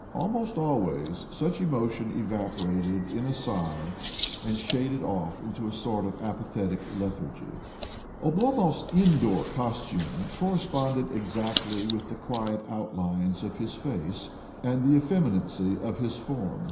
Almost always such emotion evaporated in a sigh, and shaded off into a sort of apathetic lethargy. Oblomov's indoor costume corresponded exactly with the quiet outlines of his face and the effeminacy of his form.